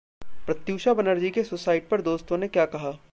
प्रत्यूषा बनर्जी के सुसाइड पर दोस्तों ने क्या कहा?